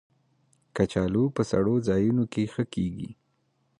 کچالو په سړو ځایونو کې ښه کېږي